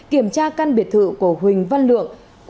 kiểm tra căn biệt thự của huỳnh văn lượng